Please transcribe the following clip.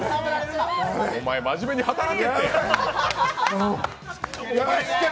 お前、真面目に働けって！